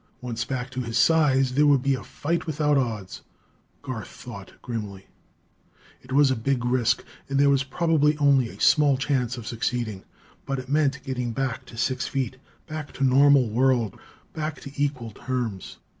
Once back to his size there would be a fight without odds, Garth thought grimly. It was a big risk, and there was probably only a small chance of succeeding, but it meant getting back to six feet, back to a normal world, back to equal terms.